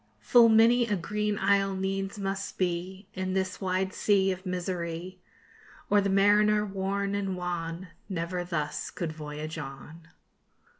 _Full many a green isle needs must be In this wide sea of misery, Or the mariner worn and wan Never thus could voyage on.